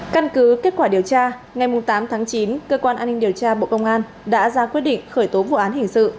căn cứ kết quả điều tra ngày tám tháng chín cơ quan an ninh điều tra bộ công an đã ra quyết định khởi tố vụ án hình sự